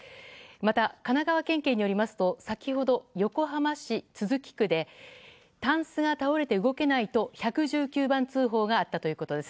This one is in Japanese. また神奈川県警によりますと先ほど横浜市都筑区でたんすが倒れて動けないと１１９番通報があったということです。